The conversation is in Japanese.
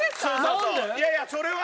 いやいやそれは。